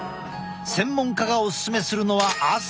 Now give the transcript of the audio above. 専門家がおすすめするのは朝。